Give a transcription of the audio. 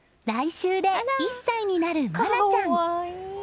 来週で１歳になる愛菜ちゃん。